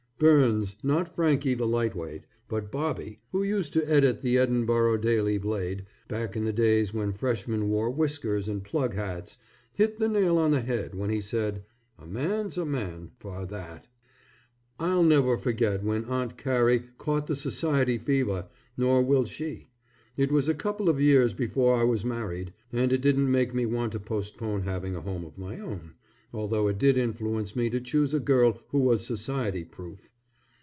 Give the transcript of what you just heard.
Burns, not Frankie the lightweight, but Bobbie who used to edit the Edinborough Daily Blade, back in the days when freshmen wore whiskers and plug hats, hit the nail on the head when he said, "A man's a man, for a' that." I'll never forget when Aunt Carrie caught the society fever, nor will she. It was a couple of years before I was married, and it didn't make me want to postpone having a home of my own, although it did influence me to choose a girl who was society proof.